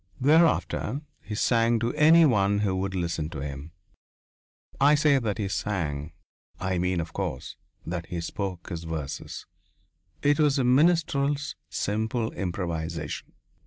Thereafter he sang to any one who would listen to him. I say that he sang I mean, of course, that he spoke his verses; it was a minstrel's simple improvisation.